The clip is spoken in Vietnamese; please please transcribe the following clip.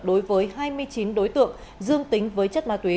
đối với hai mươi chín đối tượng dương tính với chất ma túy